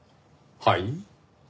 はい？